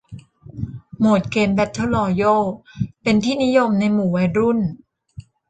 โหมดเกมแเบทเทิลรอยัลเป็นที่นิยมในหมู่วัยรุ่น